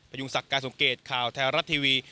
ยุงศักดิ์การสมเกตข่าวแท้รัฐทีวี